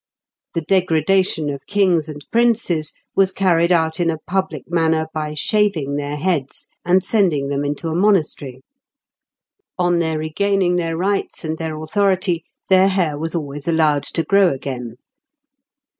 The degradation of kings and princes was carried out in a public manner by shaving their heads and sending them into a monastery; on their regaining their rights and their authority, their hair was always allowed to grow again.